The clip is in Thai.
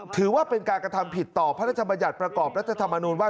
ถือว่าเป็นการกระทำผิดต่อพระราชบัญญัติประกอบรัฐธรรมนูญว่า